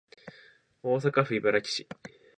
大阪府茨木市